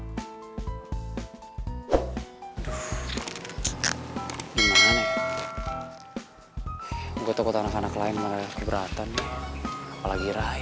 aduh gimana nih gue takut anak anak lain malah keberatan apalagi rai